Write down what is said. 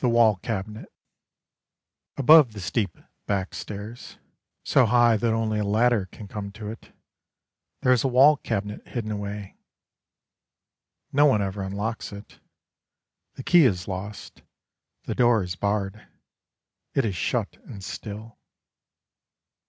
THE WALL CABINET Above the steep back stairs So high that only a ladder can come to it, There is a wall cabinet hidden away. No one ever unlocks it; The key is lost, the door is barred, It is shut and still.